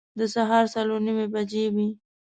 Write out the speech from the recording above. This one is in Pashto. د سهار څلور نیمې بجې وې.